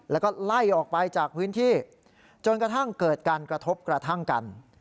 แล้วก็ไล่ออกไปจากพื้นที่จนกระทั่งเกิดการกระทบกระทั่งกัน